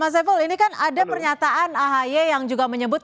mas saiful ini kan ada pernyataan ahy yang juga menyebut